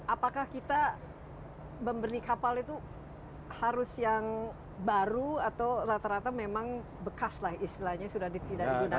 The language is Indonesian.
apakah kita memberi kapal itu harus yang baru atau rata rata memang bekas lah istilahnya sudah tidak digunakan